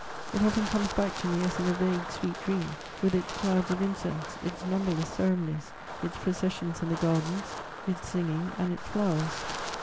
It often comes back to me as in a vague, sweet dream, with its clouds of incense, its numberless ceremonies, its processions in the gardens, its singing and its flowers."